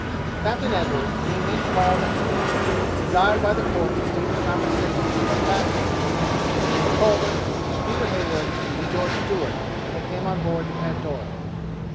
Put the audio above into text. Captain Edwards being then called and sworn, was desired by the Court to state the conversation that passed between him and Coleman, Peter Heywood, and George Stewart, when they came on board the Pandora.